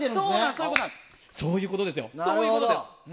そういうことです。